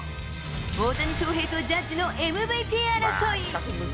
大谷翔平とジャッジのＭＶＰ争い。